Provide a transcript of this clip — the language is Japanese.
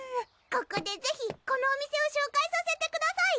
ここでぜひこのお店を紹介させてください！